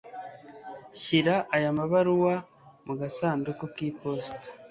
Shyira aya mabaruwa mu gasanduku k'iposita.